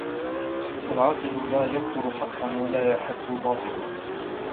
العاقل لا يبطل حقا ولا يحق باطلا